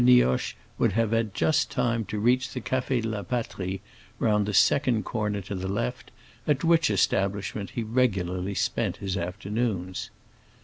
Nioche would have had just time to reach the Café de la Patrie, round the second corner to the left, at which establishment he regularly spent his afternoons.